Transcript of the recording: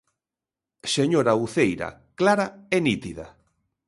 Señora Uceira, clara e nítida.